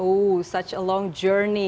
oh perjalanan yang panjang